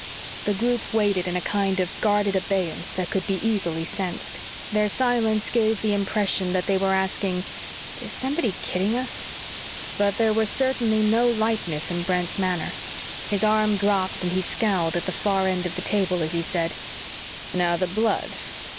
The group waited in a kind of guarded abeyance that could be easily sensed. Their silence gave the impression that they were asking: Is somebody kidding us? But there was certainly no lightness in Brent's manner. His arm dropped and he scowled at the far end of the table as he said, "Now, the blood.